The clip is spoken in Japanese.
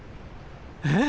えっ！？